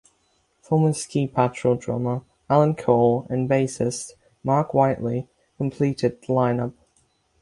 Former Ski Patrol drummer Alan Cole and bassist Mark Whiteley completed the lineup.